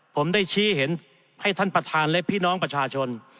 ผมได้ชี้เห็นให้ท่านประธานและพี่น้องประชาชน